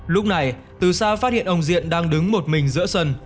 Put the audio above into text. lúc này từ xa phát hiện ông diện đang đứng một mình giữa sân